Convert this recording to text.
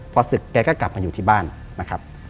พอศึกแกก็กลับมาอยู่ที่บ้านนะครับ